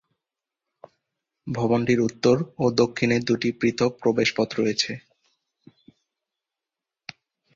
ভবনটির উত্তর ও দক্ষিণে দুটি পৃথক প্রবেশ পথ রয়েছে।